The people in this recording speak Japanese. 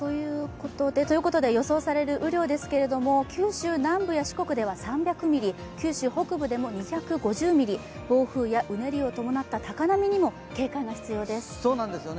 予想される雨量ですけれども九州南部や四国では３００ミリ九州北部でも２５０ミリ、暴風やうねりを伴った高波にも警戒が必要です。